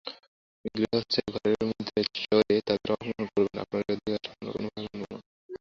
গৃহস্থের ঘরের মধ্যে চড়ে তাদের অপমান করবেন আপনার এ অধিকার আমরা কোনোমতেই মানব না।